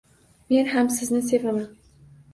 Men ham sizni sevaman.